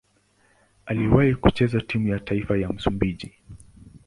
Aliwahi kucheza timu ya taifa ya Msumbiji.